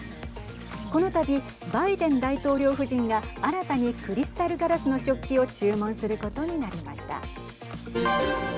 このたび、バイデン大統領夫人が新たにクリスタルガラスの食器を注文することになりました。